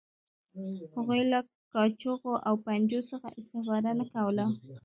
هغوی له کاچوغو او پنجو څخه استفاده نه کوله.